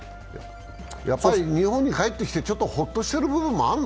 日本に帰ってきてちょっとホッとしている部分もあるの？